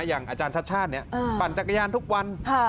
อย่างอาจารย์ชัดชาติเนี่ยปั่นจักรยานทุกวัน